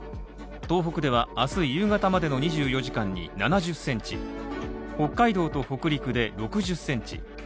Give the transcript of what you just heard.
東北では、あす夕方までの２４時間に７０センチ、北海道と北陸で６０センチ。